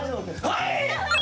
はい。